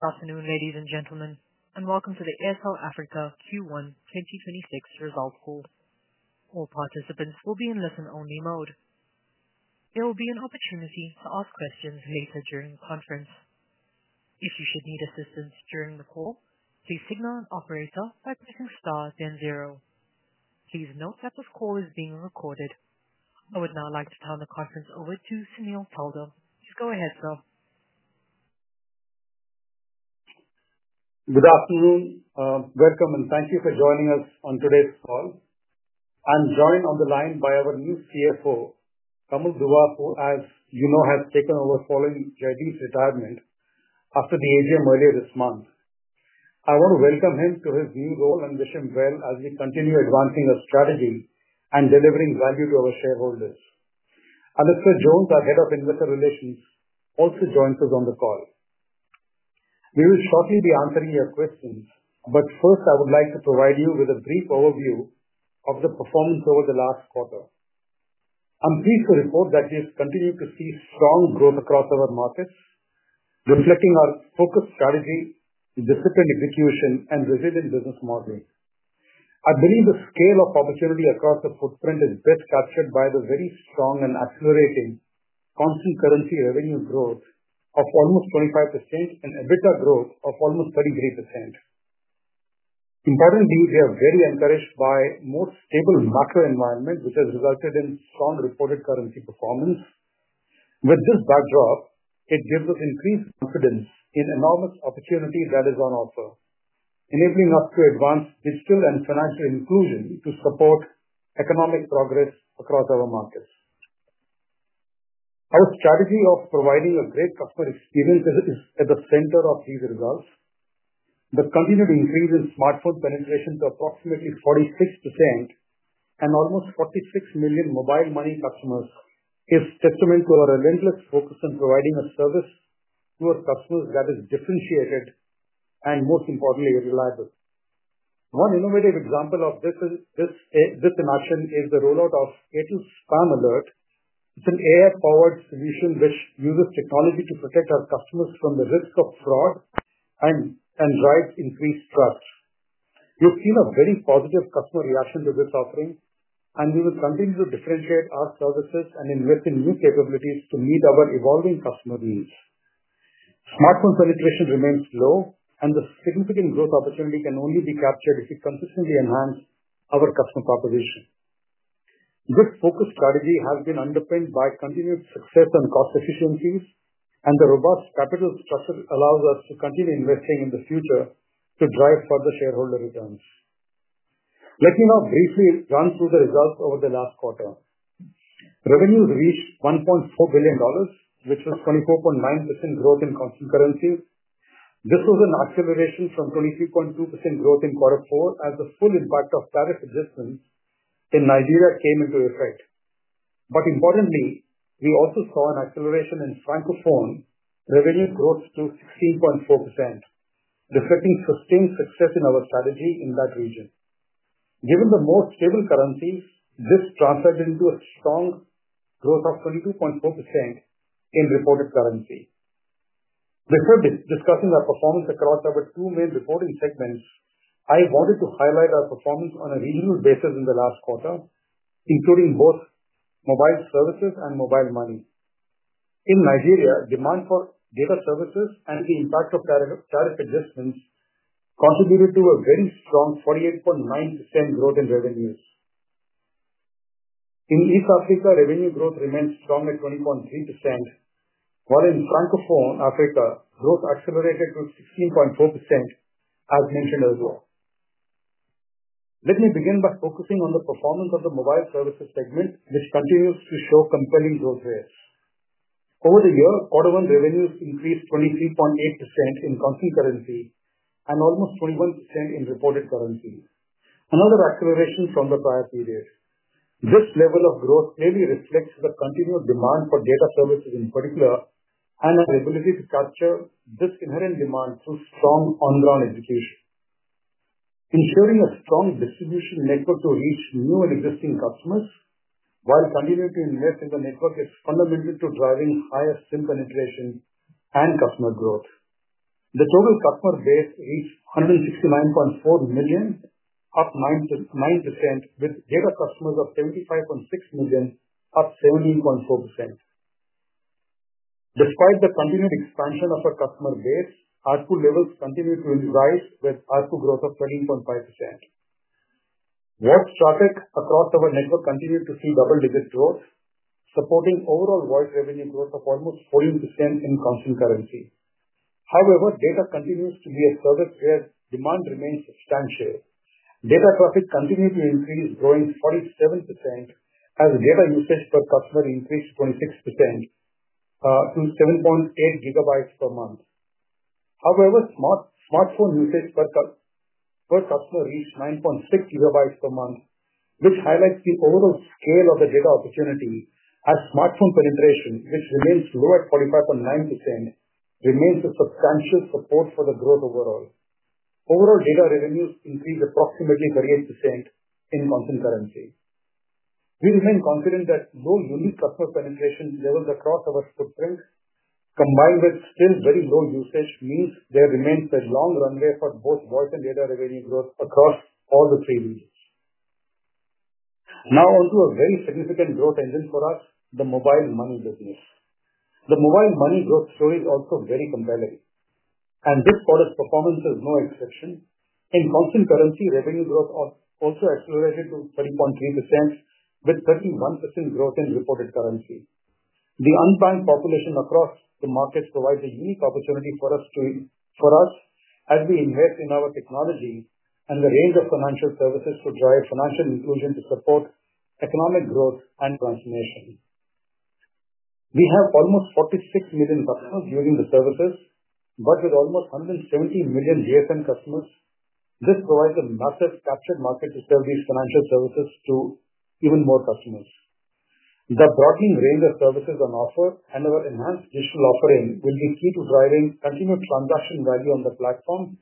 Good afternoon, ladies and gentlemen, and welcome to the Airtel Africa Q1 2026 results call. All participants will be in listen-only mode. There will be an opportunity to ask questions later during the conference. If you should need assistance during the call, please signal an operator by pressing star then zero. Please note that this call is being recorded. I would now like to turn the conference over to Sunil Taldar. Please go ahead, sir. Good afternoon. Welcome, and thank you for joining us on today's call. I'm joined on the line by our new CFO, Kamal Dua, who, as you know, has taken over following Jaideep's retirement after the AGM earlier this month. I want to welcome him to his new role and wish him well as we continue advancing our strategy and delivering value to our shareholders. Alastair Jones, our Head of Investor Relations, also joins us on the call. We will shortly be answering your questions, but first, I would like to provide you with a brief overview of the performance over the last quarter. I'm pleased to report that we have continued to see strong growth across our markets, reflecting our focused strategy, disciplined execution, and resilient business modeling. I believe the scale of opportunity across the footprint is best captured by the very strong and accelerating constant currency revenue growth of almost 25% and EBITDA growth of almost 33%. Importantly, we are very encouraged by a more stable macroeconomic environment, which has resulted in strong reported currency performance. With this backdrop, it gives us increased confidence in the enormous opportunity that is on offer, enabling us to advance digital and financial inclusion to support economic progress across our markets. Our strategy of providing a great customer experience is at the center of these results. The continued increase in smartphone penetration to approximately 46% and almost 46 million Mobile Money customers is a testament to our relentless focus on providing a service to our customers that is differentiated and, most importantly, reliable. One innovative example of this in action is the rollout of Airtel Spam Alert. It's an AI-powered solution which uses technology to protect our customers from the risk of fraud and drives increased trust. We have seen a very positive customer reaction to this offering, and we will continue to differentiate our services and invest in new capabilities to meet our evolving customer needs. Smartphone penetration remains low, and the significant growth opportunity can only be captured if we consistently enhance our customer proposition. This focused strategy has been underpinned by continued success and cost efficiencies, and the robust capital structure allows us to continue investing in the future to drive further shareholder returns. Let me now briefly run through the results over the last quarter. Revenues reached $1.4 billion, which was a 24.9% growth in constant currencies. This was an acceleration from 23.2% growth in quarter four as the full impact of tariff adjustments in Nigeria came into effect. Importantly, we also saw an acceleration in Francophone revenue growth to 16.4%, reflecting sustained success in our strategy in that region. Given the more stable currencies, this translated into a strong growth of 22.4% in reported currency. Before discussing our performance across our two main reporting segments, I wanted to highlight our performance on a regional basis in the last quarter, including both mobile services and mobile money. In Nigeria, demand for data services and the impact of tariff adjustments contributed to a very strong 48.9% growth in revenues. In East Africa, revenue growth remained strong at 20.3%. While in Francophone Africa, growth accelerated to 16.4%, as mentioned earlier. Let me begin by focusing on the performance of the mobile services segment, which continues to show compelling growth rates. Over the year, quarter one revenues increased 23.8% in constant currency and almost 21% in reported currency, another acceleration from the prior period. This level of growth clearly reflects the continued demand for data services in particular and our ability to capture this inherent demand through strong on-ground execution. Ensuring a strong distribution network to reach new and existing customers while continuing to invest in the network is fundamental to driving higher SIM penetration and customer growth. The total customer base reached 169.4 million, up 9%, with data customers of 75.6 million, up 17.4%. Despite the continued expansion of our customer base, ARPU levels continue to rise with ARPU growth of 13.5%. Voice traffic across our network continued to see double-digit growth, supporting overall voice revenue growth of almost 14% in constant currency. However, data continues to be a service where demand remains substantial. Data traffic continued to increase, growing 47% as data usage per customer increased 26% to 7.8 GB per month. However, smartphone usage per customer reached 9.6 GB per month, which highlights the overall scale of the data opportunity as smartphone penetration, which remains low at 45.9%, remains a substantial support for the growth overall. Overall data revenues increased approximately 38% in constant currency. We remain confident that low unique customer penetration levels across our footprint, combined with still very low usage, means there remains a long runway for both voice and data revenue growth across all the three regions. Now onto a very significant growth engine for us, the mobile money business. The mobile money growth story is also very compelling, and this quarter's performance is no exception. In constant currency, revenue growth also accelerated to 30.3%, with 31% growth in reported currency. The unbanked population across the markets provides a unique opportunity for us. As we invest in our technology and the range of financial services to drive financial inclusion to support economic growth and transformation. We have almost 46 million customers using the services, but with almost 170 million GSM customers, this provides a massive captured market to serve these financial services to even more customers. The broadening range of services on offer and our enhanced digital offering will be key to driving continued transaction value on the platform,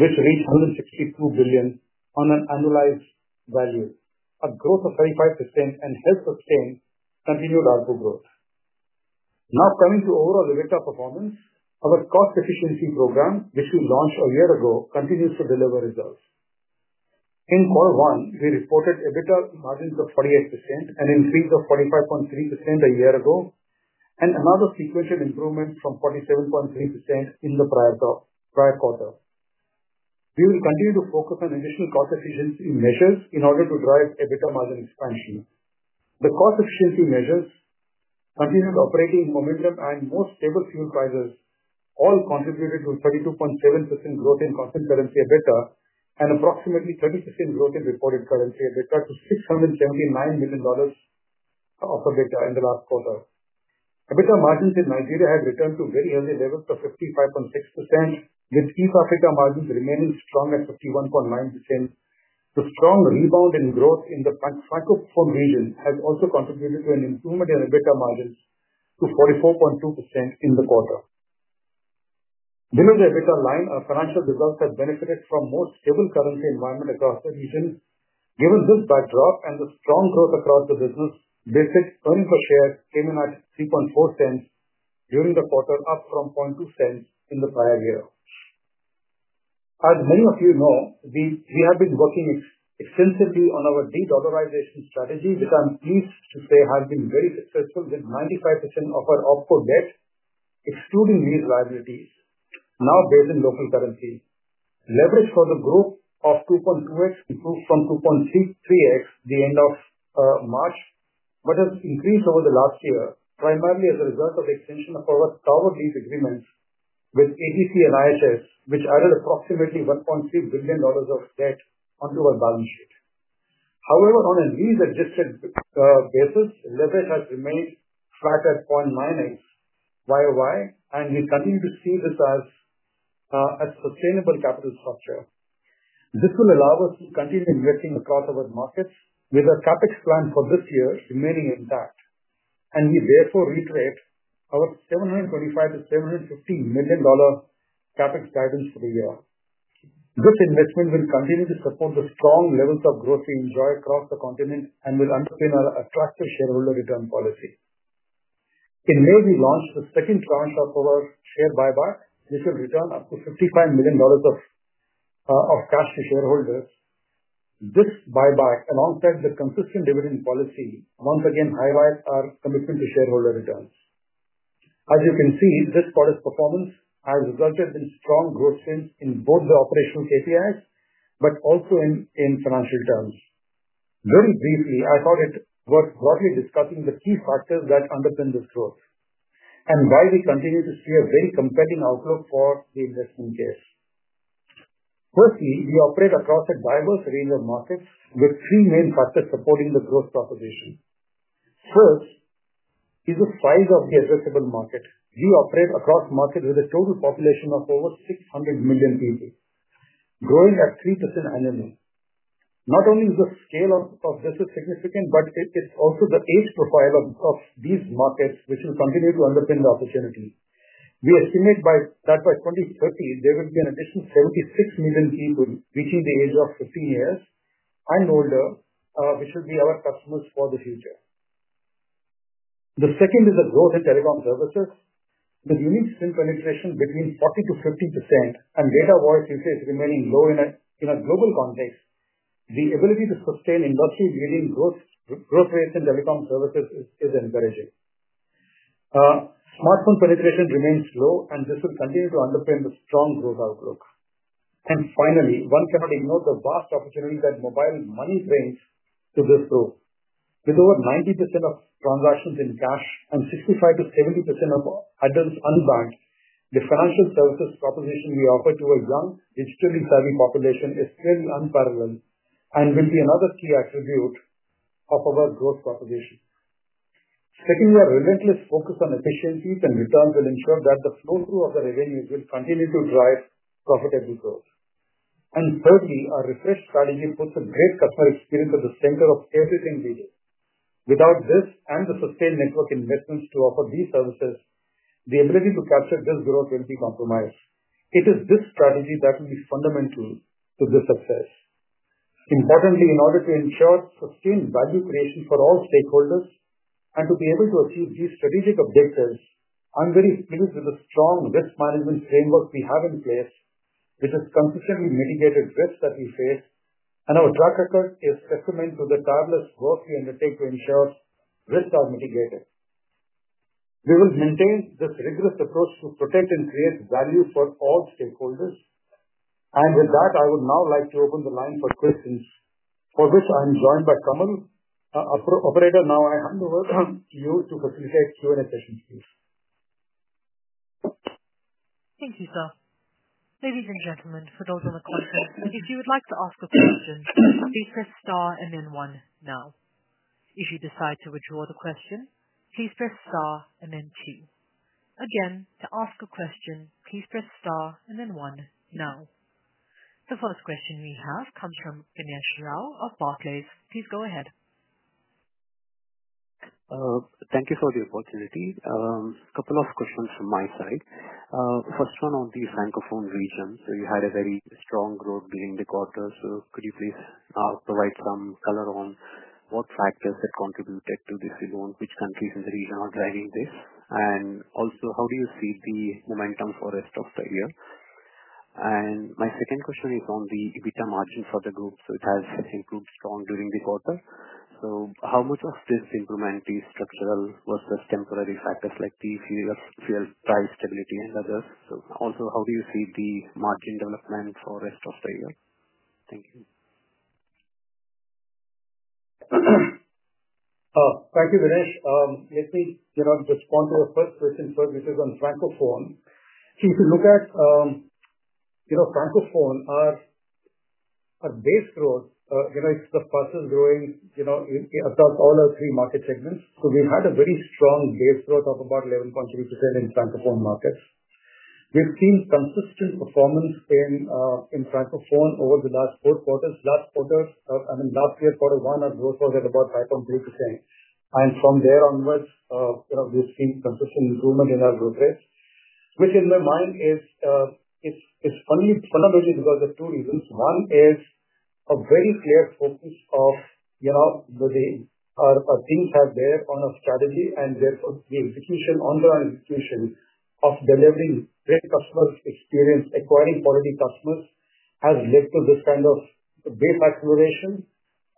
which reached $162 billion on an annualized value, a growth of 35% and helps sustain continued ARPU growth. Now coming to overall EBITDA performance, our cost efficiency program, which we launched a year ago, continues to deliver results. In quarter one, we reported EBITDA margins of 48% and increased to 45.3% a year ago, and another sequential improvement from 47.3% in the prior quarter. We will continue to focus on additional cost efficiency measures in order to drive EBITDA margin expansion. The cost efficiency measures, continued operating momentum, and more stable fuel prices all contributed to 32.7% growth in constant currency EBITDA and approximately 30% growth in reported currency EBITDA to $679 million of EBITDA in the last quarter. EBITDA margins in Nigeria have returned to very healthy levels of 55.6%, with East Africa margins remaining strong at 51.9%. The strong rebound in growth in the Francophone region has also contributed to an improvement in EBITDA margins to 44.2% in the quarter. Below the EBITDA line, our financial results have benefited from a more stable currency environment across the region. Given this backdrop and the strong growth across the business, basic earnings per share came in at $0.034 during the quarter, up from $0.002 in the prior year. As many of you know, we have been working extensively on our dedollarization strategy, which I'm pleased to say has been very successful, with 95% of our OpCo debt excluding these liabilities now based in local currency. Leverage for the group of 2.2x improved from 2.3x at the end of March, which has increased over the last year primarily as a result of the extension of our Tower Lease agreements with ATC and IHS, which added approximately $1.3 billion of debt onto our balance sheet. However, on a lease-adjusted basis, leverage has remained flat at 0.9x YoY, and we continue to see this as a sustainable capital structure. This will allow us to continue investing across our markets, with our CapEx plan for this year remaining intact, and we therefore reiterate our $725-$750 million CapEx guidance for the year. This investment will continue to support the strong levels of growth we enjoy across the continent and will underpin our attractive shareholder return policy. In May, we launched the second tranche of our share buyback, which will return up to $55 million of cash to shareholders. This buyback, alongside the consistent dividend policy, once again highlights our commitment to shareholder returns. As you can see, this quarter's performance has resulted in strong growth trends in both the operational KPIs but also in financial terms. Very briefly, I thought it worth broadly discussing the key factors that underpin this growth and why we continue to see a very compelling outlook for the investment case. Firstly, we operate across a diverse range of markets, with three main factors supporting the growth proposition. First is the size of the addressable market. We operate across markets with a total population of over 600 million people, growing at 3% annually. Not only is the scale of this significant, but it's also the age profile of these markets, which will continue to underpin the opportunity. We estimate that by 2030, there will be an additional 76 million people reaching the age of 15 years and older, which will be our customers for the future. The second is the growth in telecom services. With unique SIM penetration between 40%-50% and data voice usage remaining low in a global context, the ability to sustain industry-leading growth rates in telecom services is encouraging. Smartphone penetration remains low, and this will continue to underpin the strong growth outlook. Finally, one cannot ignore the vast opportunity that mobile money brings to this group. With over 90% of transactions in cash and 65%-70% of items unbanked, the financial services proposition we offer to a young, digitally savvy population is clearly unparalleled and will be another key attribute of our growth proposition. Secondly, our relentless focus on efficiencies and returns will ensure that the flow-through of the revenues will continue to drive profitable growth. Thirdly, our refreshed strategy puts a great customer experience at the center of everything we do. Without this and the sustained network investments to offer these services, the ability to capture this growth will be compromised. It is this strategy that will be fundamental to the success. Importantly, in order to ensure sustained value creation for all stakeholders and to be able to achieve these strategic objectives, I'm very pleased with the strong risk management framework we have in place, which has consistently mitigated risks that we face, and our track record is a testament to the tireless growth we undertake to ensure risks are mitigated. We will maintain this rigorous approach to protect and create value for all stakeholders. With that, I would now like to open the line for questions, for which I'm joined by Kamal. Operator, now I hand over to you to facilitate Q&A sessions, please. Thank you, sir. Ladies and gentlemen, for those on the continent, if you would like to ask a question, please press star and then one now. If you decide to withdraw the question, please press star and then two. Again, to ask a question, please press star and then one now. The first question we have comes from Ganesh [Rao] of Barclays. Please go ahead. Thank you for the opportunity. A couple of questions from my side. First one on the Francophone region. You had a very strong growth during the quarter. Could you please provide some color on what factors had contributed to this rebound? Which countries in the region are driving this? Also, how do you see the momentum for the rest of the year? My second question is on the EBITDA margin for the group. It has improved strong during the quarter. How much of this improvement is structural versus temporary factors like the fuel price stability and others? Also, how do you see the margin development for the rest of the year? Thank you. Thank you, Ganesh. Let me just respond to your first question first, which is on Francophone. If you look at Francophone, our base growth, it's the fastest growing across all our three market segments. We have had a very strong base growth of about 11.3% in Francophone markets. We have seen consistent performance in Francophone over the last four quarters. Last year, quarter one, our growth was at about 5.3%. From there onwards, we have seen consistent improvement in our growth rates, which in my mind is fundamentally because of two reasons. One is a very clear focus of the things that have been on our strategy, and therefore the ongoing execution of delivering great customer experience, acquiring quality customers has led to this kind of base acceleration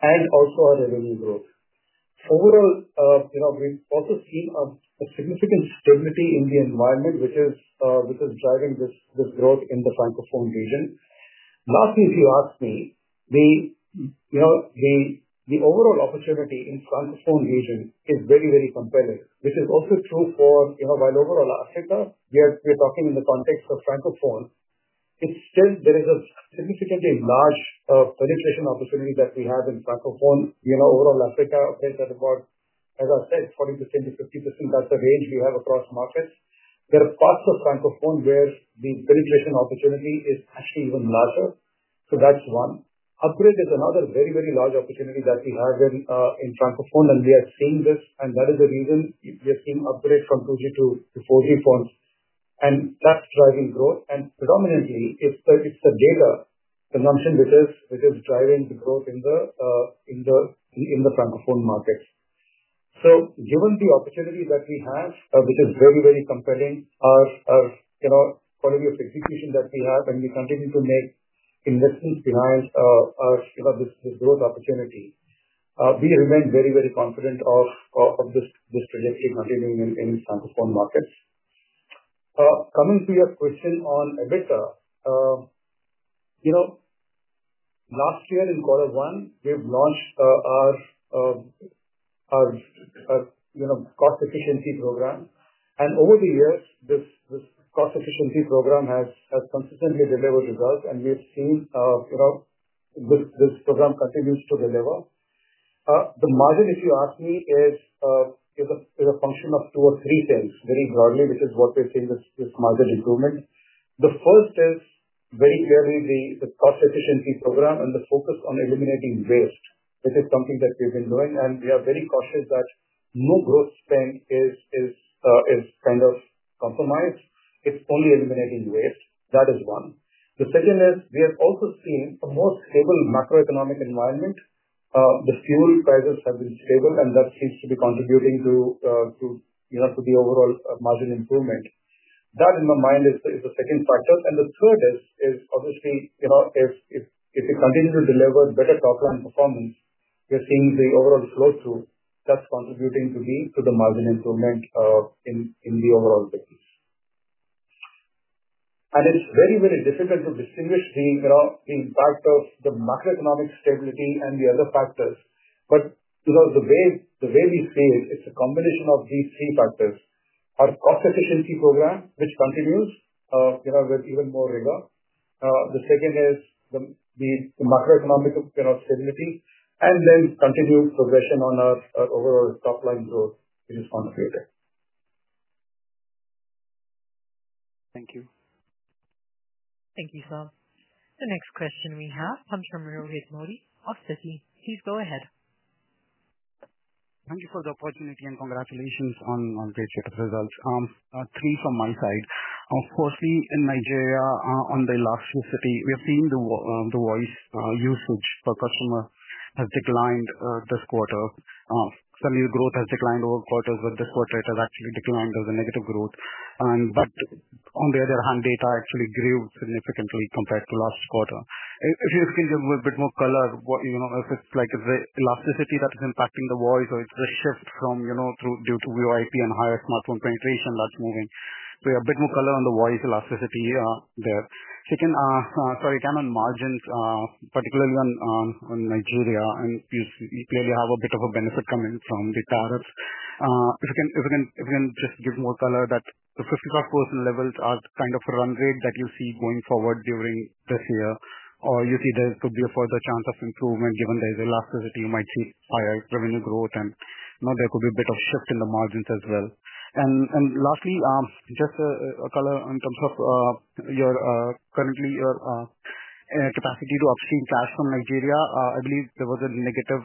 and also our revenue growth overall. We have also seen significant stability in the environment, which is driving this growth in the Francophone region. Lastly, if you ask me, the overall opportunity in the Francophone region is very, very compelling, which is also true for, while overall Africa, we are talking in the context of Francophone, there is a significantly large penetration opportunity that we have in Francophone. Overall, Africa operates at about, as I said, 40%-50%. That is the range we have across markets. There are parts of Francophone where the penetration opportunity is actually even larger. That is one. Upgrade is another very, very large opportunity that we have in Francophone, and we are seeing this. That is the reason we are seeing upgrade from 2G to 4G phones, and that is driving growth. Predominantly, it is the data consumption which is driving the growth in the Francophone markets. Given the opportunity that we have, which is very, very compelling, our quality of execution that we have, and we continue to make investments behind this growth opportunity, we remain very, very confident of this trajectory continuing in the Francophone markets. Coming to your question on EBITDA. Last year, in quarter one, we launched our cost efficiency program. Over the years, this cost efficiency program has consistently delivered results, and we have seen this program continues to deliver. The margin, if you ask me, is a function of two or three things very broadly, which is what we are seeing in this margin improvement. The first is very clearly the cost efficiency program and the focus on eliminating waste, which is something that we have been doing. We are very cautious that no growth spend is kind of compromised. It is only eliminating waste. That is one. The second is we have also seen a more stable macroeconomic environment. The fuel prices have been stable, and that seems to be contributing to the overall margin improvement. That, in my mind, is the second factor. The third is, obviously, if we continue to deliver better top-line performance, we are seeing the overall flow-through. That is contributing to the margin improvement in the overall business. It is very, very difficult to distinguish the impact of the macroeconomic stability and the other factors. The way we see it, it is a combination of these three factors: our cost efficiency program, which continues with even more rigor. The second is the macroeconomic stability, and then continued progression on our overall top-line growth, which is contributing. Thank you. Thank you, sir. The next question we have comes from Rohit Modi of Citi. Please go ahead. Thank you for the opportunity and congratulations on great results. Three from my side. Firstly, in Nigeria, on the last few, we have seen the voice usage per customer has declined this quarter. Some of the growth has declined over quarters, but this quarter, it has actually declined as a negative growth. On the other hand, data actually grew significantly compared to last quarter. If you can give a bit more color, if it is the elasticity that is impacting the voice or it is the shift from, due to VoIP and higher smartphone penetration, that is moving. A bit more color on the voice elasticity there. Second, sorry, again, on margins, particularly in Nigeria, and you clearly have a bit of a benefit coming from the tariffs. If you can just give more color, that the 55% levels are kind of a run rate that you see going forward during this year, or you see there could be a further chance of improvement given the elasticity. You might see higher revenue growth, and there could be a bit of shift in the margins as well. Lastly, just a color in terms of currently your capacity to upstream cash from Nigeria. I believe there was a negative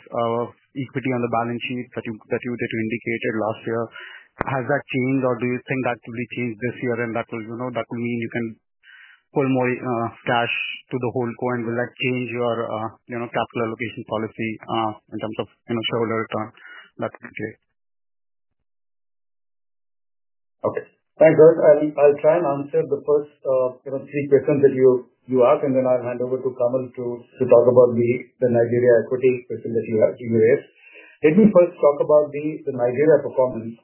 equity on the balance sheet that you indicated last year. Has that changed, or do you think that will change this year? That will mean you can pull more cash to the HoldCo. Will that change your capital allocation policy in terms of shareholder return? That would be great. Okay. Thanks, sir. I will try and answer the first three questions that you asked, and then I will hand over to Kamal to talk about the Nigeria equity question that you raised. Let me first talk about the Nigeria performance.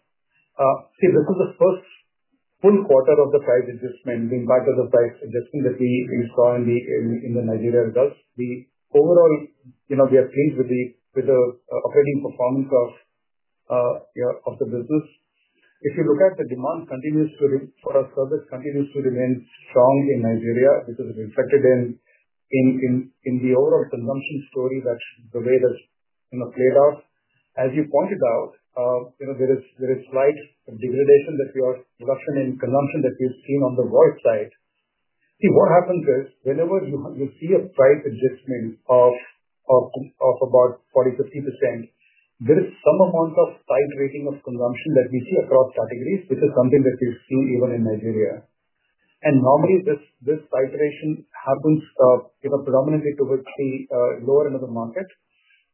This is the first full quarter of the price adjustment, the impact of the price adjustment that we saw in the Nigeria results. Overall, we are pleased with the operating performance of the business. If you look at the demand, service continues to remain strong in Nigeria because it is reflected in the overall consumption story, the way that has played out. As you pointed out, there is slight degradation in production and consumption that we have seen on the voice side. What happens is whenever you see a price adjustment of about 40%-50%, there is some amount of titrating of consumption that we see across categories, which is something that we have seen even in Nigeria. Normally, this titration happens predominantly towards the lower end of the market.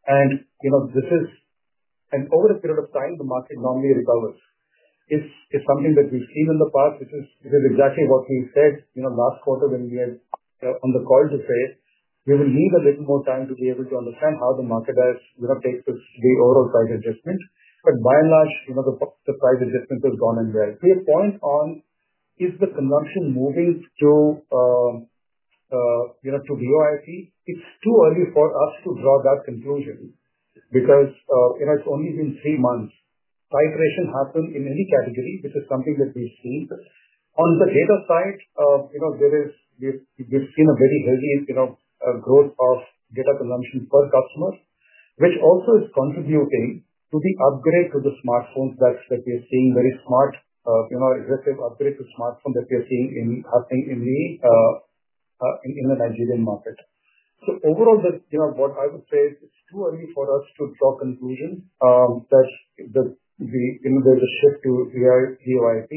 Over a period of time, the market normally recovers. It is something that we have seen in the past. This is exactly what we said last quarter when we had on the call to say we will need a little more time to be able to understand how the market takes the overall price adjustment. By and large, the price adjustment has gone in well. To your point on is the consumption moving to VoIP? It's too early for us to draw that conclusion because it's only been three months. Titration happened in any category, which is something that we've seen. On the data side, we've seen a very heavy growth of data consumption per customer, which also is contributing to the upgrade to the smartphones that we're seeing, very smart, aggressive upgrade to smartphone that we're seeing happening in the Nigerian market. Overall, what I would say is it's too early for us to draw conclusions that there's a shift to VoIP.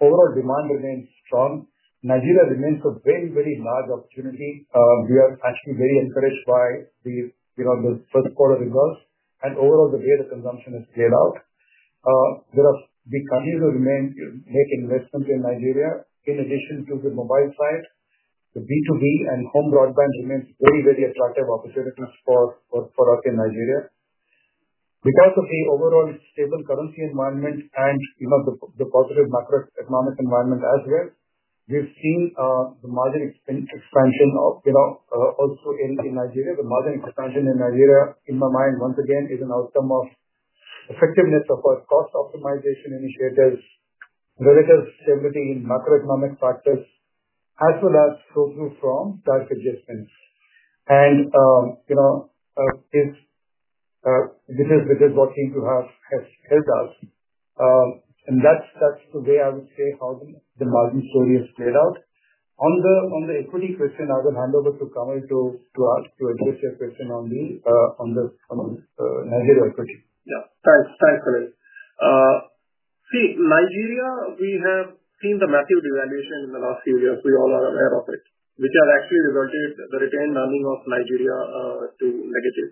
Overall demand remains strong. Nigeria remains a very, very large opportunity. We are actually very encouraged by the first quarter results. Overall, the way the consumption has played out. We continue to make investments in Nigeria. In addition to the mobile side, the B2B and home broadband remains very, very attractive opportunities for us in Nigeria. Because of the overall stable currency environment and the positive macroeconomic environment as well, we've seen the margin expansion also in Nigeria. The margin expansion in Nigeria, in my mind, once again, is an outcome of effectiveness of our cost optimization initiatives, relative stability in macroeconomic factors, as well as flow-through from tariff adjustments, which is what seems to have held us. That's the way I would say how the margin story has played out. On the equity question, I will hand over to Kamal to address your question on the Nigeria equity. Yeah. Thanks, sir. See, Nigeria, we have seen the massive devaluation in the last few years. We all are aware of it, which has actually resulted in the retained earning of Nigeria to negative.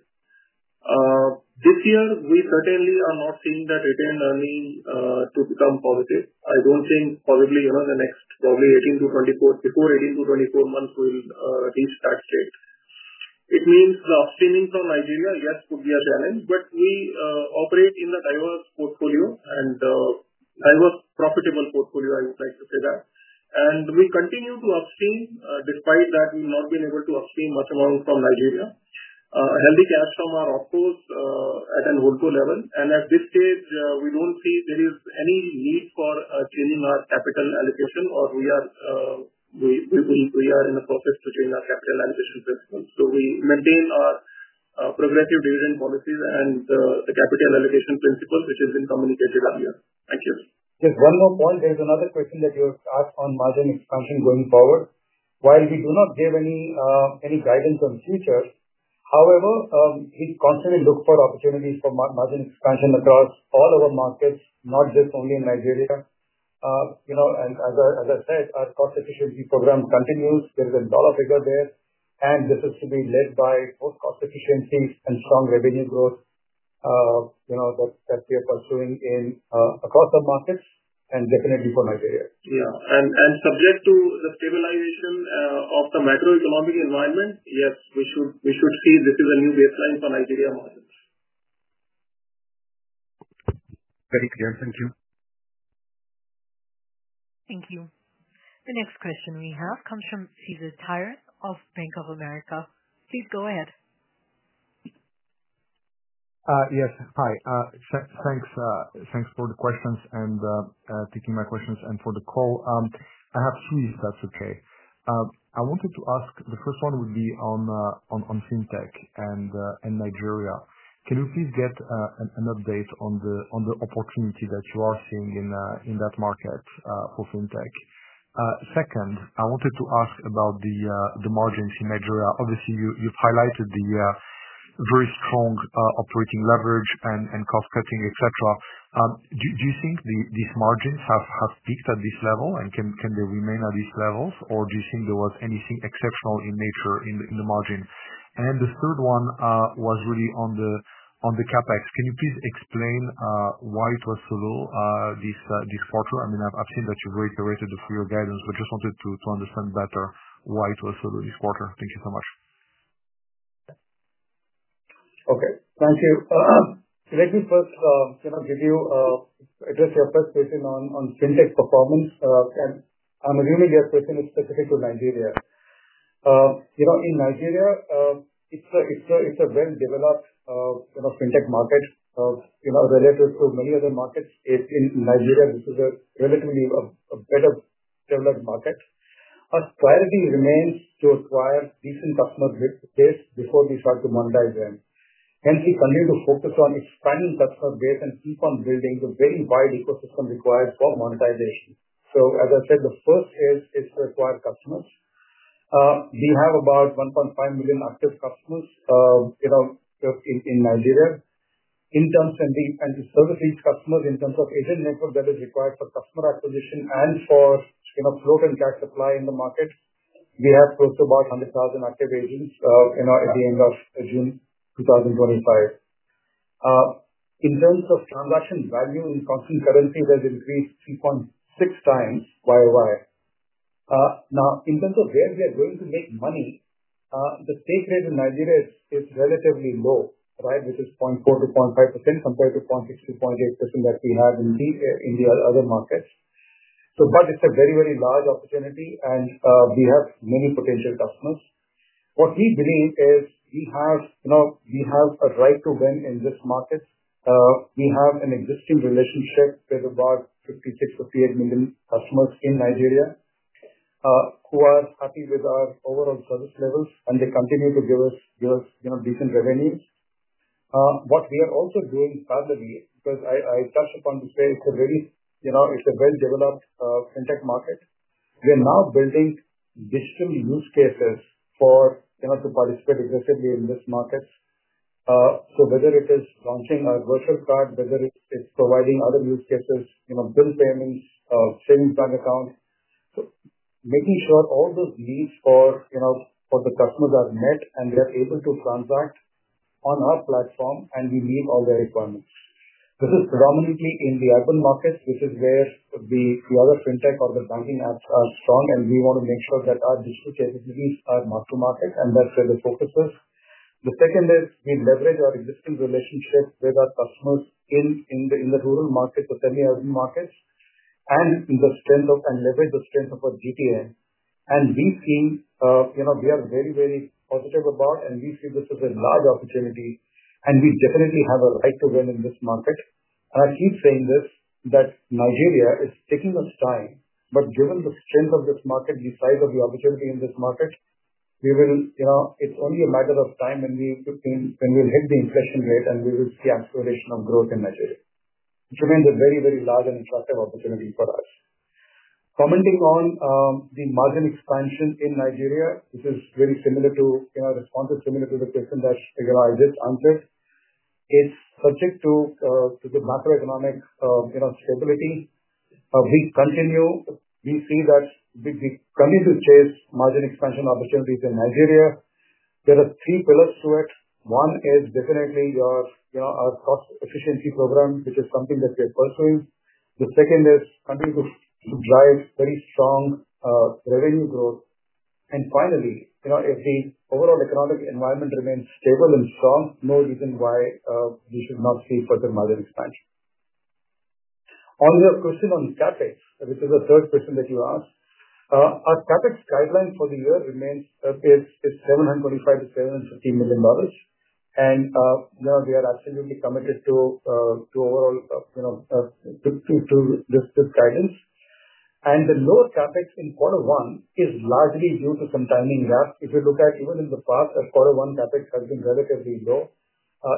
This year, we certainly are not seeing that retained earning to become positive. I don't think possibly the next probably 18-24, before 18 months-24 months, we'll reach that state. It means the upstreaming from Nigeria, yes, could be a challenge, but we operate in a diverse portfolio and diverse profitable portfolio, I would like to say that. We continue to upstream despite that we've not been able to upstream much amount from Nigeria. Healthy cash from our OpCos at an HoldCo level. At this stage, we don't see there is any need for changing our capital allocation, or we are in the process to change our capital allocation principles. We maintain our progressive dividend policies and the capital allocation principle, which has been communicated earlier. Thank you. Just one more point. There's another question that you asked on margin expansion going forward. While we do not give any guidance on future, however, we constantly look for opportunities for margin expansion across all our markets, not just only in Nigeria. As I said, our cost efficiency program continues. There is a dollar figure there. This is to be led by both cost efficiencies and strong revenue growth that we are pursuing across the markets and definitely for Nigeria. Yeah. Subject to the stabilization of the macroeconomic environment, yes, we should see this is a new baseline for Nigeria markets. Very clear. Thank you. Thank you. The next question we have comes from Cesar Tiron of Bank of America. Please go ahead. Yes. Hi. Thanks for the questions and taking my questions and for the call. I have three, if that's okay. I wanted to ask, the first one would be on fintech and Nigeria. Can you please get an update on the opportunity that you are seeing in that market for fintech? Second, I wanted to ask about the margins in Nigeria. Obviously, you've highlighted the very strong operating leverage and cost-cutting, etc. Do you think these margins have peaked at this level, and can they remain at these levels, or do you think there was anything exceptional in nature in the margin? The third one was really on the CapEx. Can you please explain why it was so low this quarter? I mean, I've seen that you've reiterated the free guidance, but just wanted to understand better why it was so low this quarter. Thank you so much. Okay. Thank you. Let me first address your first question on fintech performance. I'm assuming your question is specific to Nigeria. In Nigeria, it's a well-developed fintech market. Relative to many other markets, in Nigeria, this is a relatively better-developed market. Our priority remains to acquire decent customer base before we start to monetize them. Hence, we continue to focus on expanding customer base and keep on building the very wide ecosystem required for monetization. As I said, the first is to acquire customers. We have about 1.5 million active customers in Nigeria. In terms of service-based customers, in terms of agent network that is required for customer acquisition and for float and cash supply in the market, we have close to about 100,000 active agents at the end of June 2025. In terms of transaction value in constant currency, that increased 3.6 times year over year. Now, in terms of where we are going to make money, the stake rate in Nigeria is relatively low, right, which is 0.4%-0.5% compared to 0.6%-0.8% that we have in the other markets. It's a very, very large opportunity, and we have many potential customers. What we believe is we have a right to win in this market. We have an existing relationship with about 56 million-58 million customers in Nigeria. Who are happy with our overall service levels, and they continue to give us decent revenues. What we are also doing currently, because I touched upon this way, it's a very well-developed fintech market. We are now building digital use cases to participate aggressively in these markets. Whether it is launching a virtual card, whether it's providing other use cases, bill payments, savings bank accounts, making sure all those needs for the customers are met and they're able to transact on our platform and we meet all their requirements. This is predominantly in the urban markets, which is where the other fintech or the banking apps are strong, and we want to make sure that our digital capabilities are marked to market, and that's where the focus is. The second is we leverage our existing relationship with our customers in the rural markets, the semi-urban markets, and leverage the strength of our GTN. We've seen we are very, very positive about, and we see this as a large opportunity, and we definitely have a right to win in this market. I keep saying this, that Nigeria is taking us time, but given the strength of this market, the size of the opportunity in this market, it's only a matter of time when we'll hit the inflation rate and we will see acceleration of growth in Nigeria. It remains a very, very large and attractive opportunity for us. Commenting on the margin expansion in Nigeria, which is very similar to, responded similar to the question that I just answered. It's subject to the macroeconomic stability. We continue. We see that we continue to chase margin expansion opportunities in Nigeria. There are three pillars to it. One is definitely our cost efficiency program, which is something that we are pursuing. The second is continuing to drive very strong revenue growth. Finally, if the overall economic environment remains stable and strong, no reason why we should not see further margin expansion. On your question on CapEx, which is the third question that you asked, our CapEx guideline for the year is $725 million-$750 million. We are absolutely committed to overall this guidance. The lower CapEx in quarter one is largely due to some timing gap. If you look at even in the past, quarter one CapEx has been relatively low.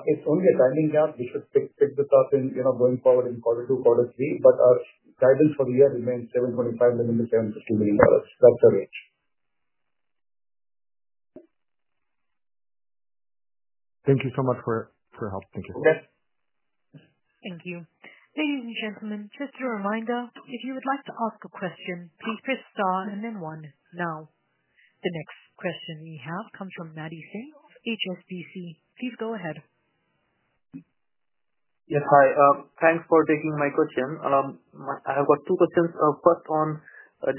It's only a timing gap. We should pick this up going forward in quarter two, quarter three, but our guidance for the year remains $725 million-$750 million. That's the range. Thank you so much for your help. Thank you so much. Okay. Thank you. Ladies and gentlemen, just a reminder, if you would like to ask a question, please press star and then one. Now, the next question we have comes from Madhvendra Singh of HSBC. Please go ahead. Yes. Hi. Thanks for taking my question. I have got two questions. First,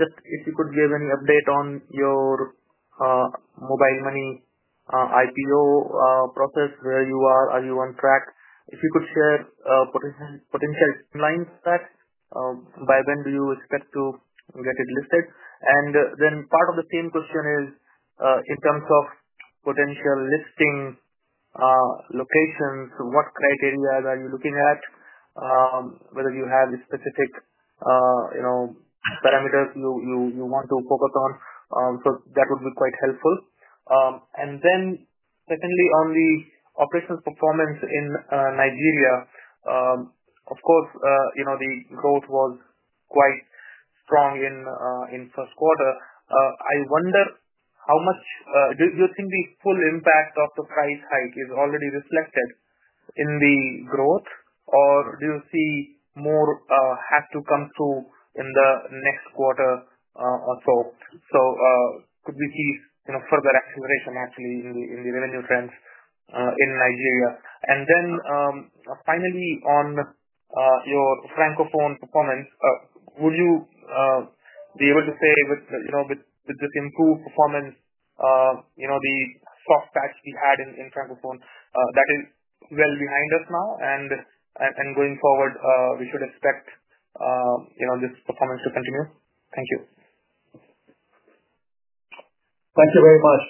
just if you could give any update on your. mobile money IPO process, where you are, are you on track? If you could share potential timelines for that. By when do you expect to get it listed? And then part of the same question is in terms of potential listing. Locations, what criteria are you looking at. Whether you have specific. Parameters you want to focus on? That would be quite helpful. Secondly, on the operational performance in Nigeria. Of course, the growth was quite strong in first quarter. I wonder how much do you think the full impact of the price hike is already reflected in the growth, or do you see more have to come through in the next quarter or so? Could we see further acceleration actually in the revenue trends in Nigeria? Finally, on your Francophone performance, would you be able to say with this improved performance the soft patch we had in Francophone, that is well behind us now, and going forward, we should expect this performance to continue? Thank you. Thank you very much.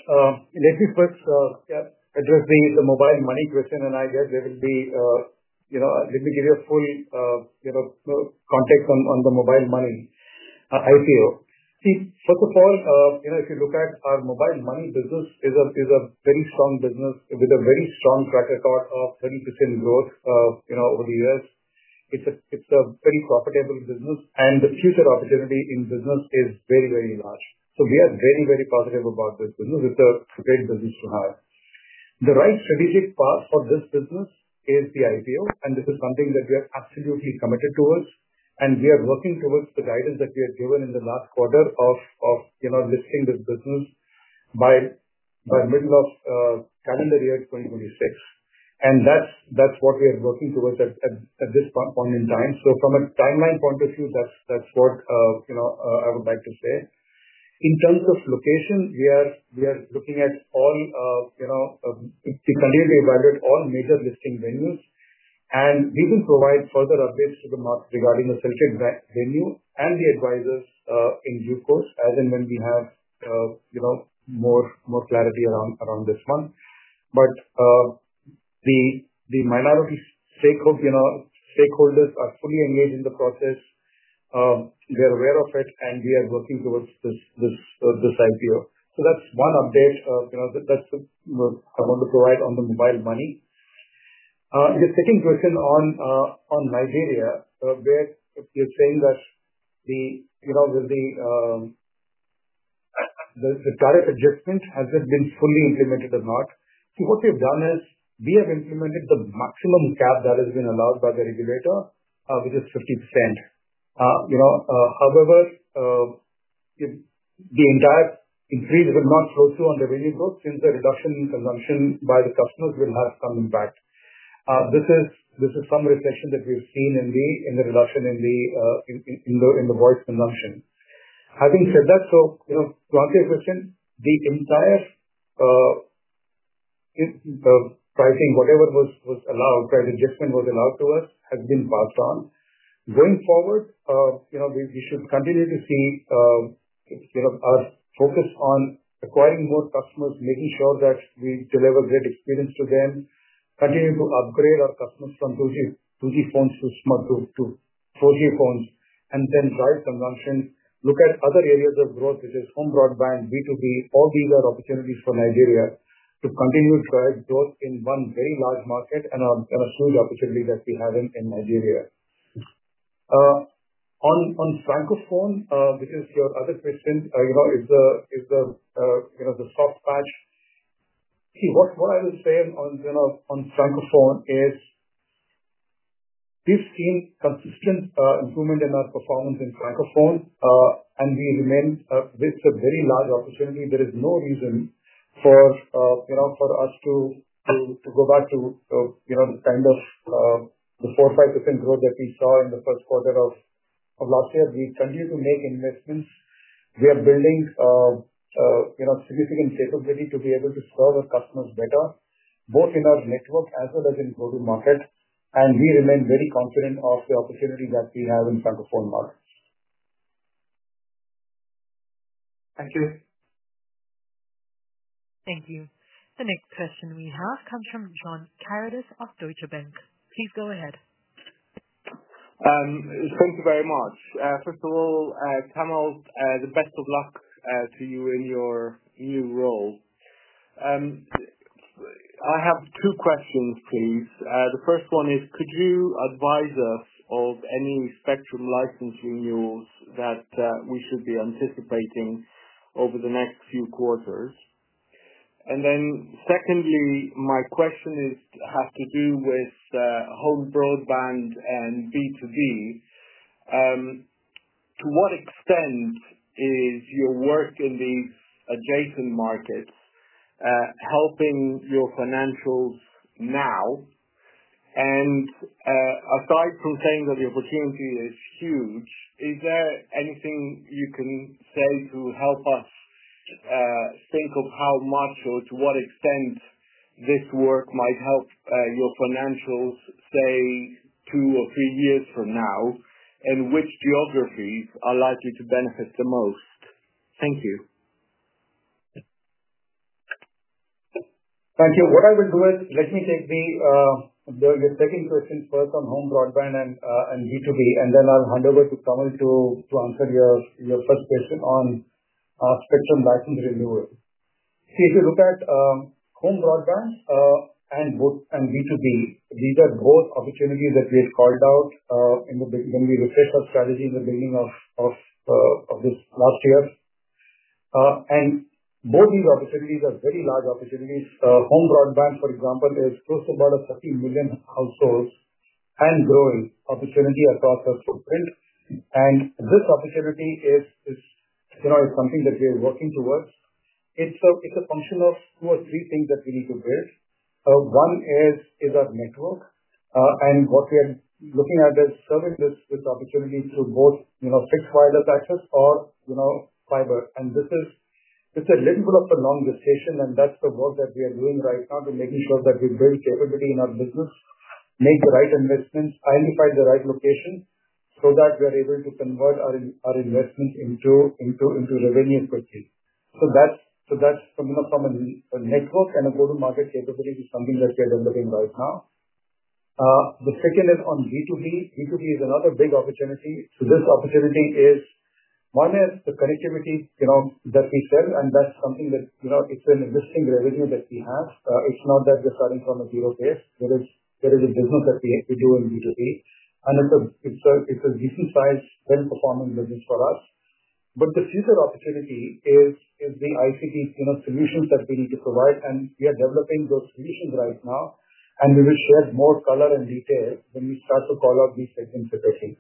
Let me first address the mobile money question, and I guess there will be. Let me give you a full context on the mobile money IPO. See, first of all, if you look at our mobile money business, it is a very strong business with a very strong track record of 30% growth over the years. It's a very profitable business, and the future opportunity in business is very, very large. We are very, very positive about this business. It's a great business to have. The right strategic path for this business is the IPO, and this is something that we are absolutely committed towards. We are working towards the guidance that we had given in the last quarter of listing this business by the middle of calendar year 2026. That's what we are working towards at this point in time. From a timeline point of view, that's what I would like to say. In terms of location, we are looking at all. We continue to evaluate all major listing venues, and we will provide further updates to the market regarding the selected venue and the advisors in due course, as and when we have more clarity around this one. The minority stakeholders are fully engaged in the process. They're aware of it, and we are working towards this IPO. That's one update. That's what I want to provide on the mobile money. Your second question on Nigeria, where you're saying that the direct adjustment hasn't been fully implemented or not. See, what we've done is we have implemented the maximum cap that has been allowed by the regulator, which is 50%. However, the entire increase will not flow through on revenue growth since the reduction in consumption by the customers will have some impact. This is some reflection that we've seen in the reduction in the voice consumption. Having said that, to answer your question, the entire pricing, whatever was allowed, private adjustment was allowed to us, has been passed on. Going forward, we should continue to see our focus on acquiring more customers, making sure that we deliver great experience to them, continue to upgrade our customers from 2G phones to 4G phones, and then drive consumption, look at other areas of growth, which is home broadband, B2B, all these are opportunities for Nigeria to continue to drive growth in one very large market and a huge opportunity that we have in Nigeria. On Francophone, which is your other question, is the soft patch. What I will say on Francophone is we have seen consistent improvement in our performance in Francophone, and we remain, it is a very large opportunity. There is no reason for us to go back to the kind of the 4%-5% growth that we saw in the first quarter of last year. We continue to make investments. We are building significant capability to be able to serve our customers better, both in our network as well as in go-to-market. We remain very confident of the opportunity that we have in Francophone markets. Thank you. Thank you. The next question we have comes from John Karidis of Deutsche Bank. Please go ahead. Thank you very much. First of all, Kamal, the best of luck to you in your new role. I have two questions, please. The first one is, could you advise us of any spectrum licensing rules that we should be anticipating over the next few quarters? Secondly, my question has to do with home broadband and B2B. To what extent is your work in these adjacent markets helping your financials now? Aside from saying that the opportunity is huge, is there anything you can say to help us think of how much or to what extent this work might help your financials, say, two or three years from now, and which geographies are likely to benefit the most? Thank you. Thank you. What I will do is let me take your second question first on home broadband and B2B, and then I will hand over to Kamal to answer your first question on spectrum license renewal. If you look at home broadband and B2B, these are both opportunities that we had called out when we refreshed our strategy in the beginning of this last year. Both these opportunities are very large opportunities. Home broadband, for example, is close to about 30 million households and growing opportunity across our footprint. This opportunity is something that we are working towards. It is a function of two or three things that we need to build. One is our network. What we are looking at is serving this opportunity through both fixed wireless access or fiber. This is. A little bit of a long distance, and that's the work that we are doing right now to making sure that we build capability in our business, make the right investments, identify the right location so that we are able to convert our investments into revenue quickly. That's coming up from a network, and a go-to-market capability is something that we are developing right now. The second is on B2B. B2B is another big opportunity. This opportunity is, one is the connectivity that we sell, and that's something that it's an existing revenue that we have. It's not that we're starting from a zero base. There is a business that we do in B2B, and it's a decent-sized, well-performing business for us. The future opportunity is the ICT solutions that we need to provide, and we are developing those solutions right now, and we will share more color and detail when we start to call out these segments separately.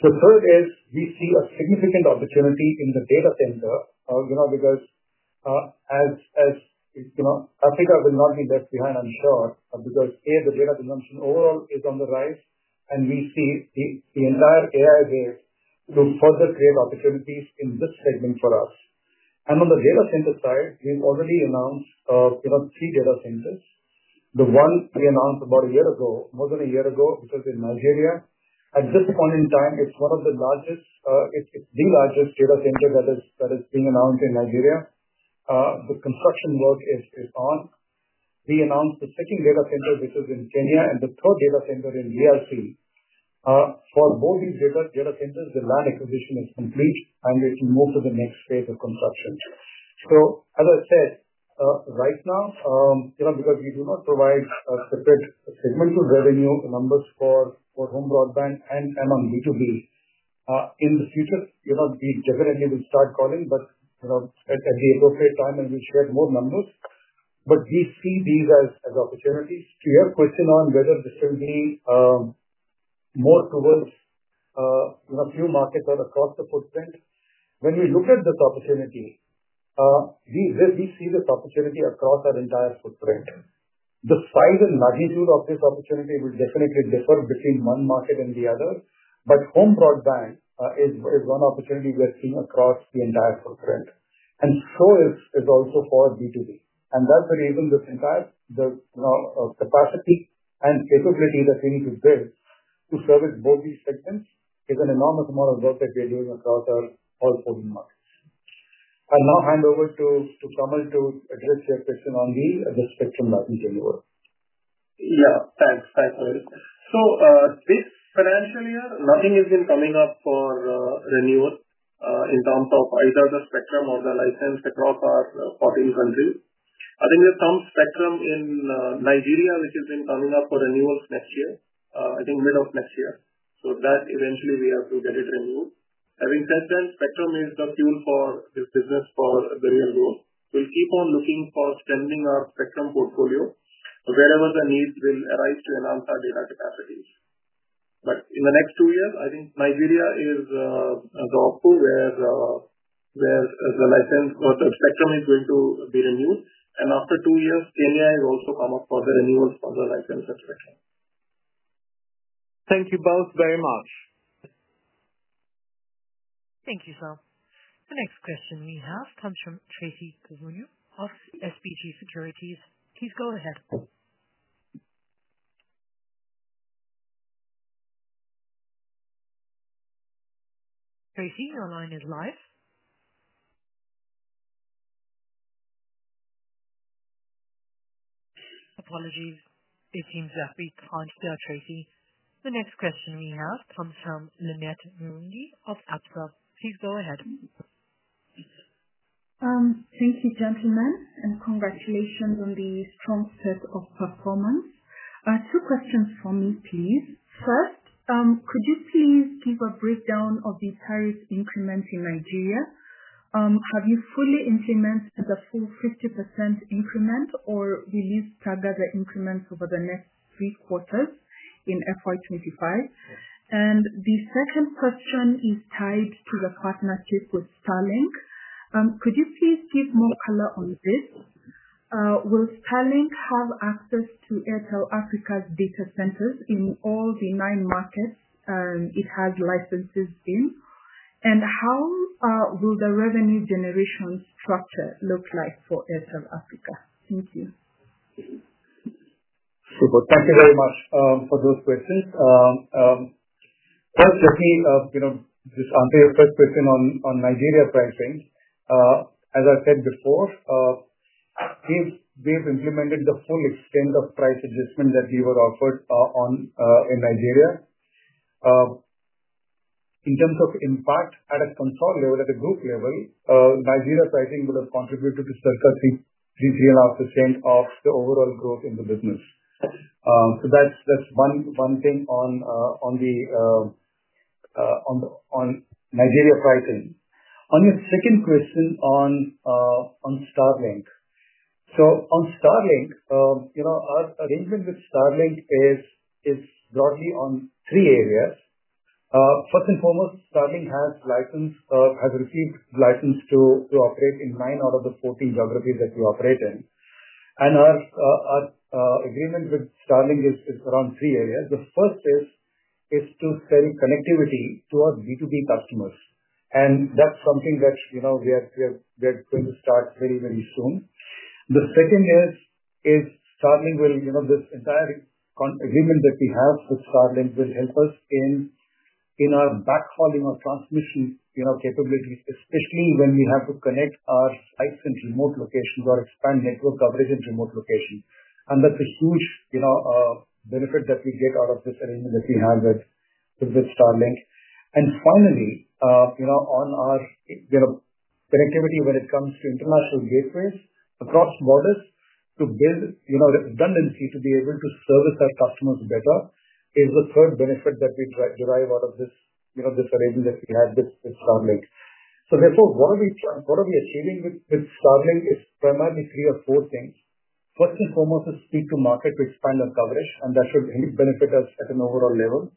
The third is we see a significant opportunity in the data center because as Africa will not be left behind, I'm sure, because A, the data consumption overall is on the rise, and we see the entire AI wave to further create opportunities in this segment for us. On the data center side, we've already announced three data centers. The one we announced about a year ago, more than a year ago, which was in Nigeria. At this point in time, it's one of the largest. It's the largest data center that is being announced in Nigeria. The construction work is on. We announced the second data center, which is in Kenya, and the third data center in Democratic Republic of Congo. For both these data centers, the land acquisition is complete, and we can move to the next phase of construction. As I said, right now, because we do not provide separate segmental revenue numbers for home broadband and on B2B, in the future, we definitely will start calling, but at the appropriate time, and we'll share more numbers. We see these as opportunities. To your question on whether this will be more towards few markets or across the footprint, when we look at this opportunity, we see this opportunity across our entire footprint. The size and magnitude of this opportunity will definitely differ between one market and the other, but home broadband is one opportunity we are seeing across the entire footprint. So is also for B2B. That's the reason this entire capacity and capability that we need to build to service both these segments is an enormous amount of work that we are doing across all four markets. I'll now hand over to Kamal to address your question on the spectrum license renewal. Yeah. Thanks. Thanks. This financial year, nothing has been coming up for renewal in terms of either the spectrum or the license across our 14 countries. I think there's some spectrum in Nigeria, which has been coming up for renewals next year, I think mid of next year. So that eventually, we have to get it renewed. Having said that, spectrum is the fuel for this business for the real rule. We'll keep on looking for extending our spectrum portfolio wherever the need will arise to enhance our data capacities. But in the next two years, I think Nigeria is [on top] where the spectrum is going to be renewed. After two years, Kenya has also come up for the renewals for the license and spectrum. Thank you both very much. Thank you as well. The next question we have comes from Tracy Kivunyu of SBG Securities. Please go ahead. Tracy, your line is live. Apologies. It seems that we can't hear Tracy. The next question we have comes from Linet Muriungi of Absa. Please go ahead. Thank you, gentlemen, and congratulations on the strong set of performance. Two questions for me, please. First, could you please give a breakdown of the tariff increments in Nigeria? Have you fully implemented the full 50% increment or released targeted increments over the next three quarters in FY 2025? And the second question is tied to the partnership with Starlink. Could you please give more color on this? Will Starlink have access to Airtel Africa's data centers in all the nine markets it has licenses in? And how will the revenue generation structure look like for Airtel Africa? Thank you. Super. Thank you very much for those questions. First, let me just answer your first question on Nigeria pricing. As I said before, we've implemented the full extent of price adjustment that we were offered in Nigeria. In terms of impact at a consult level, at a group level, Nigeria pricing would have contributed to circa 3%-3.5% of the overall growth in the business. So that's one thing on Nigeria pricing. On your second question on Starlink. Our arrangement with Starlink is broadly on three areas. First and foremost, Starlink has received license to operate in nine out of the 14 geographies that we operate in. Our agreement with Starlink is around three areas. The first is to sell connectivity to our B2B customers, and that's something that we are going to start very, very soon. The second is, this entire agreement that we have with Starlink will help us in our backhauling of transmission capability, especially when we have to connect our sites in remote locations or expand network coverage in remote location. That's a huge benefit that we get out of this arrangement that we have with Starlink. Finally, on our connectivity when it comes to international gateways across borders to build redundancy to be able to service our customers better is the third benefit that we derive out of this arrangement that we have with Starlink. Therefore, what we are achieving with Starlink is primarily three or four things. First and foremost is speed to market to expand our coverage, and that should benefit us at an overall level.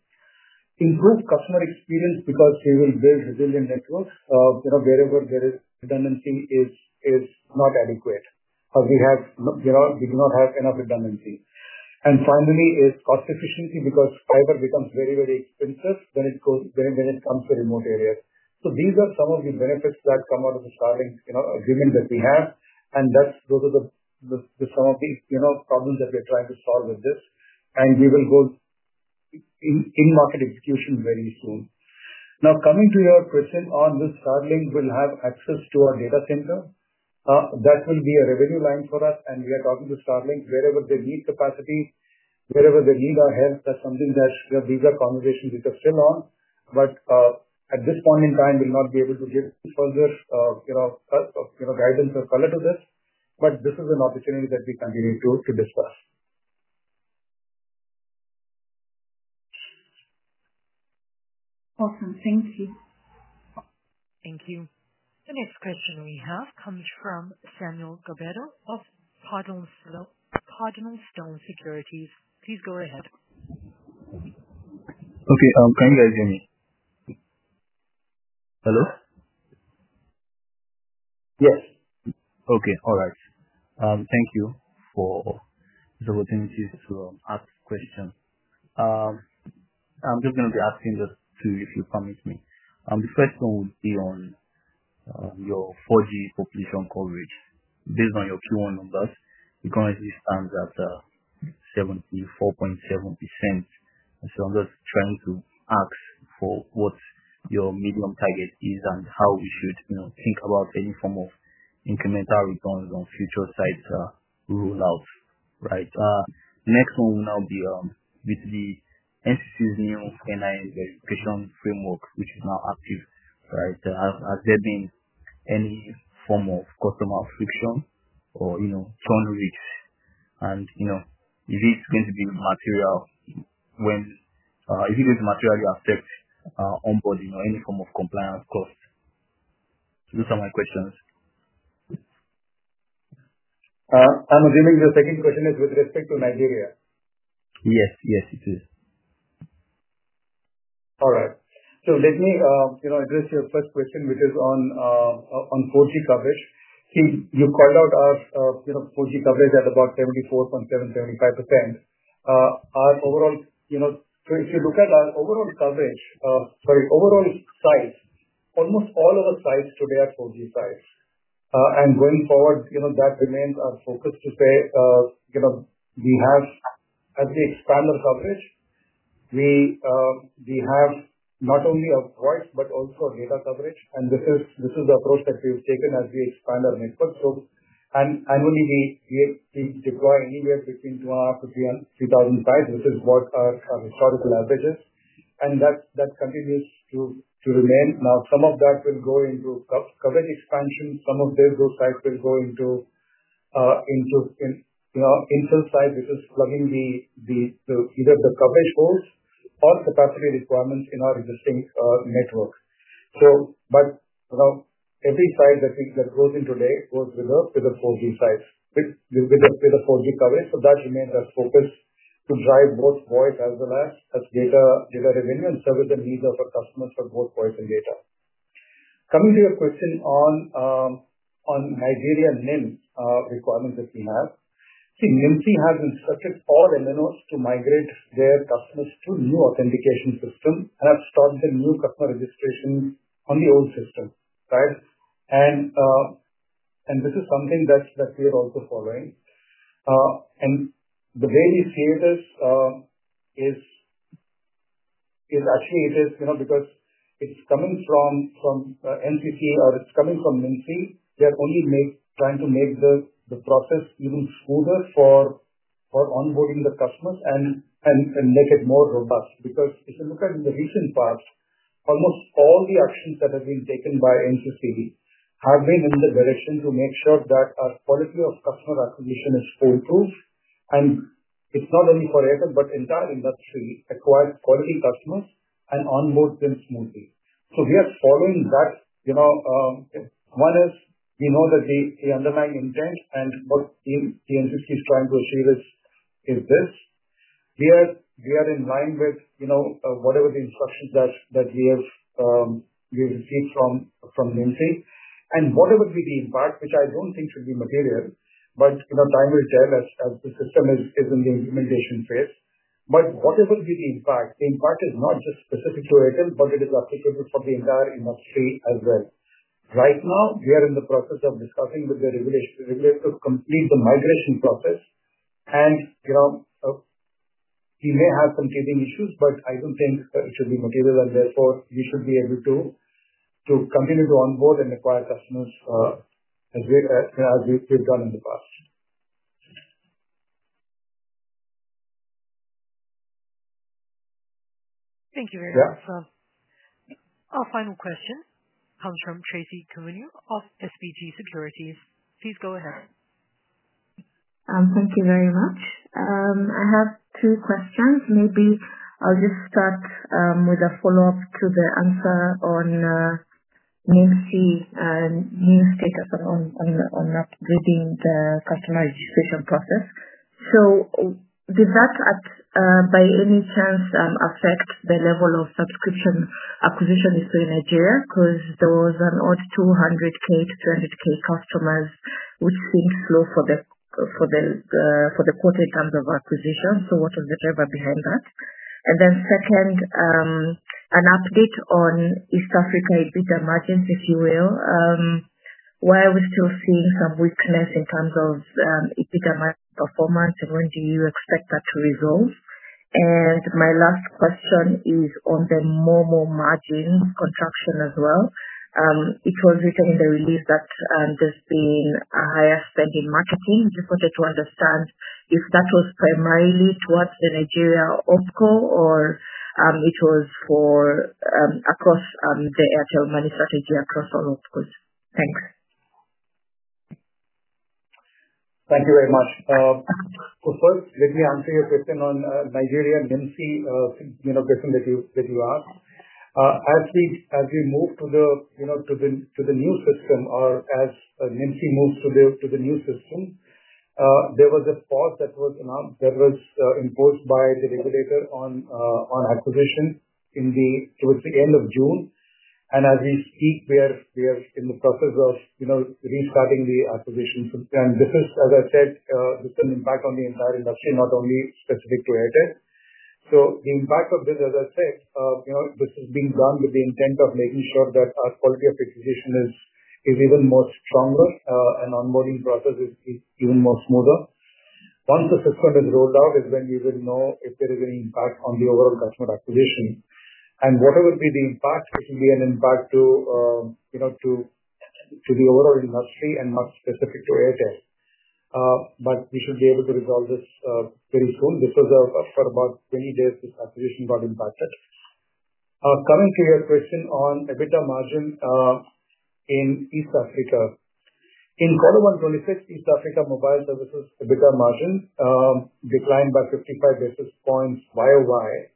Improve customer experience because we will build resilient networks wherever there is redundancy that is not adequate because we do not have enough redundancy. Finally is cost efficiency because fiber becomes very, very expensive when it comes to remote areas. These are some of the benefits that come out of the Starlink agreement that we have, and those are some of the problems that we are trying to solve with this, and we will go in market execution very soon. Now, coming to your question on will Starlink have access to our data center, that will be a revenue line for us, and we are talking to Starlink wherever they need capacity, wherever they need our help. That is something that these are conversations we can fill on, but at this point in time, we will not be able to give further guidance or color to this, but this is an opportunity that we continue to discuss. Awesome. Thank you. Thank you. The next question we have comes from Samuel [Covero] of Cardinal Stone Securities. Please go ahead. Okay. Can you guys hear me? Hello? Yes. Okay. All right. Thank you for this opportunity to ask questions. I am just going to be asking just two if you permit me. The first one would be on your 4G population coverage. Based on your Q1 numbers, economically stands at 4.7%. I am just trying to ask for what your medium target is and how we should think about any form of incremental returns on future site rollouts, right? Next one will now be with the NCC's new NIN verification framework, which is now active, right? Has there been any form of customer friction or churn rates? Is it going to be material? When is it going to materially affect onboarding or any form of compliance costs? Those are my questions. I am assuming the second question is with respect to Nigeria? Yes. Yes, it is. All right. Let me address your first question, which is on 4G coverage. See, you called out our 4G coverage at about 74.7%, 75%. Our overall, so if you look at our overall coverage, sorry, overall sites, almost all of our sites today are 4G sites. Going forward, that remains our focus to say we have, as we expand our coverage, we have not only voice but also data coverage, and this is the approach that we have taken as we expand our network. Annually, we deploy anywhere between 2,000-3,000 sites, which is what our historical average is, and that continues to remain. Some of that will go into coverage expansion. Some of those sites will go into infill sites, which is plugging either the coverage holes or capacity requirements in our existing network. Every site that goes in today goes with the 4G sites, with the 4G coverage. That remains our focus to drive both voice as well as data revenue and service the needs of our customers for both voice and data. Coming to your question on Nigeria NIN requirements that we have, see, NIMC has instructed all MNOs to migrate their customers to a new authentication system and have started the new customer registration on the old system, right? This is something that we are also following. The way we see it is, actually, it is because it is coming from NCC or it is coming from NIMC. They are only trying to make the process even smoother for onboarding the customers and make it more robust. If you look at the recent past, almost all the actions that have been taken by NCC have been in the direction to make sure that our quality of customer acquisition is foolproof. It is not only for Airtel Africa but the entire industry acquired quality customers and onboarded them smoothly. We are following that. One is we know that the underlying intent and what the NCC is trying to achieve is this. We are in line with whatever the instructions that we have received from NIMC. Whatever be the impact, which I do not think should be material, but time will tell as the system is in the implementation phase. Whatever be the impact, the impact is not just specific to Airtel Africa, but it is applicable for the entire industry as well. Right now, we are in the process of discussing with the regulator to complete the migration process. We may have some teething issues, but I do not think it should be material, and therefore, we should be able to continue to onboard and acquire customers as we have done in the past. Thank you very much. Our final question comes from Tracy Kivunyu of SBG Securities. Please go ahead. Thank you very much. I have two questions. Maybe I will just start with a follow-up to the answer on NIMC's new status on upgrading the customer registration process. Did that by any chance affect the level of subscription acquisition in Nigeria? Because there was an odd 200,000, 200,000 customers, which seemed slow for the quarter in terms of acquisition. What was the driver behind that? Second, an update on East Africa EBITDA margins, if you will. Why are we still seeing some weakness in terms of EBITDA performance, and when do you expect that to resolve? My last question is on the MoMo margin contraction as well. It was written in the release that there has been a higher spend in marketing. I just wanted to understand if that was primarily towards the Nigeria OpCo or it was across the Airtel Money strategy across all OpCos. Thanks. Thank you very much. First, let me answer your question on Nigeria NIMC question that you asked. As we move to the new system or as NIMC moves to the new system, there was a pause that was imposed by the regulator on acquisition towards the end of June. As we speak, we are in the process of restarting the acquisition. This is, as I said, an impact on the entire industry, not only specific to Airtel. The impact of this, as I said, is being done with the intent of making sure that our quality of acquisition is even stronger and onboarding process is even smoother. Once the system is rolled out is when we will know if there is any impact on the overall customer acquisition. Whatever be the impact, it will be an impact to the overall industry and not specific to Airtel. We should be able to resolve this very soon. This was for about 20 days this acquisition got impacted. Coming to your question on EBITDA margin in East Africa. In quarter 1 2026, East Africa Mobile Services EBITDA margin declined by 55 basis points year over year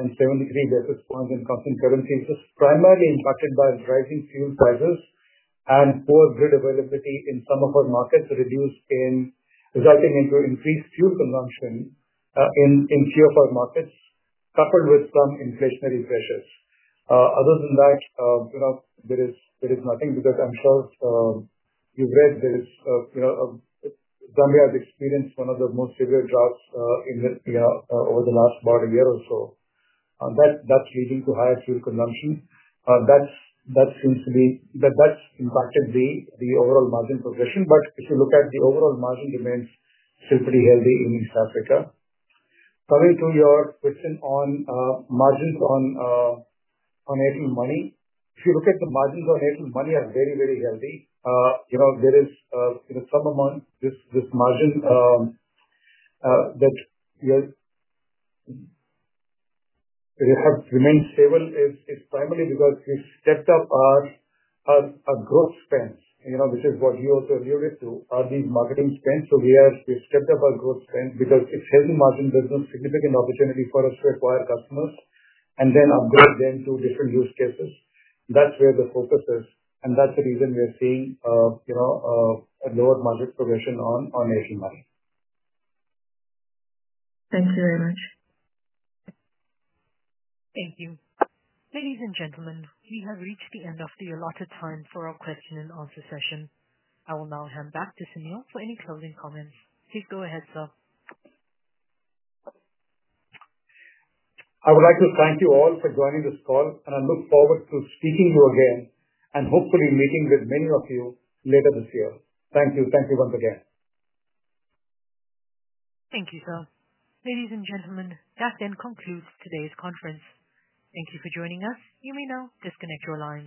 and 73 basis points in constant currency. This is primarily impacted by rising fuel prices and poor grid availability in some of our markets, resulting in increased fuel consumption in few of our markets, coupled with some inflationary pressures. Other than that, there is nothing because I am sure you have read there is Zambia has experienced one of the most severe droughts over the last about a year or so. That is leading to higher fuel consumption. That seems to be what has impacted the overall margin progression. If you look at the overall margin, it remains still pretty healthy in East Africa. Coming to your question on margins on Airtel Money, if you look at the margins on Airtel Money, they are very, very healthy. There is some amount this margin that has remained stable is primarily because we have stepped up our growth spends, which is what you also alluded to, our marketing spend. We have stepped up our growth spend because it is a healthy margin business, significant opportunity for us to acquire customers and then upgrade them to different use cases. That is where the focus is, and that is the reason we are seeing a lower margin progression on Airtel Money. Thank you very much. Thank you. Ladies and gentlemen, we have reached the end of the allotted time for our Q*& session. I will now hand back to Sunil for any closing comments. Please go ahead, sir. I would like to thank you all for joining this call, and I look forward to speaking to you again and hopefully meeting with many of you later this year. Thank you. Thank you once again. Thank you, sir. Ladies and gentlemen, that then concludes today's conference. Thank you for joining us. You may now disconnect your line.